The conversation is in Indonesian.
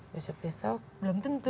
besok besok belum tentu